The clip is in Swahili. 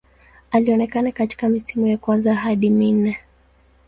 Alionekana katika misimu ya kwanza hadi minne.